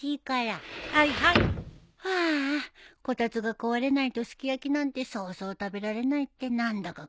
こたつが壊れないとすき焼きなんてそうそう食べられないって何だか悲しいね。